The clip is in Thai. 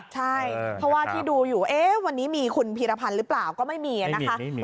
ใช่เพราะว่าที่ดูอยู่วันนี้มีคุณพีรพันธ์หรือเปล่าก็ไม่มีนะคะ